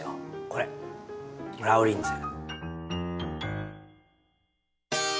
これラウリンゼ。